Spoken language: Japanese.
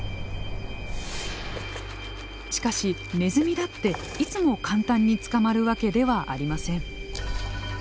しかしネズミだっていつも簡単に捕まるわけではありません。